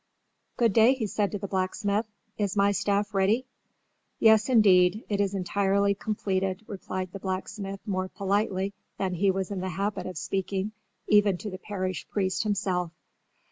"Good day," he said to the blacksmith. "Is my staff ready?" "Yes, indeed. It is entirely completed," replied the blacksmith more politely than he was in the habit of speaking even to the parish priest himself.